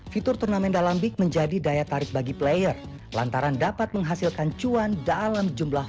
fitur turnamen dalam big menjadi daya tarik bagi player lantaran dapat menghasilkan cuan dalam jumlah